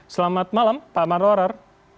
selamat malam pak amar orer